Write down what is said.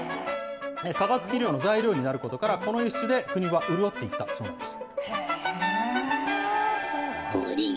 化学肥料の材料になることから、この輸出で国は潤っていったそうなんです。